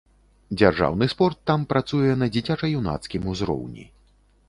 Дзяржаўны спорт там працуе на дзіцяча-юнацкім узроўні.